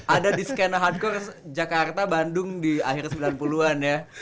ada di skena hardcourse jakarta bandung di akhir sembilan puluh an ya